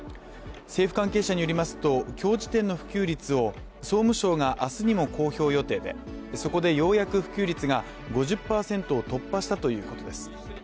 政府関係者によりますと今日時点の普及率を総務省が明日にも公表予定でそこでようやく普及率が５０％を突破したということです。